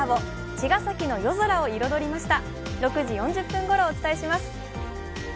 茅ヶ崎の夜空を彩りました。